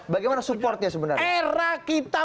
bagaimana supportnya sebenarnya era kita